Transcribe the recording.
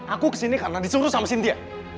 aku kesini karena disuruh sama sintia